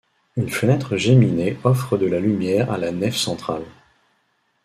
Une fenêtre géminée offre de la lumière à la nef centrale.